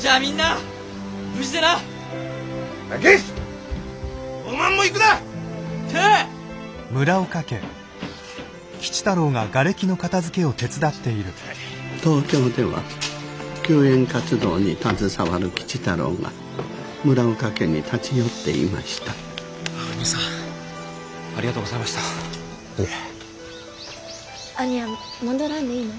兄やん戻らんでいいの？